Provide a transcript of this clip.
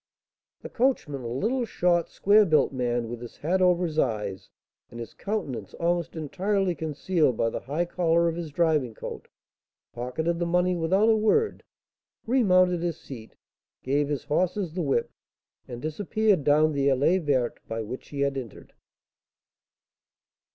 The coachman, a little, short, square built man, with his hat over his eyes, and his countenance almost entirely concealed by the high collar of his driving coat, pocketed the money without a word, remounted his seat, gave his horses the whip, and disappeared down the allée verte by which he had entered.